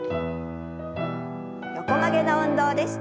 横曲げの運動です。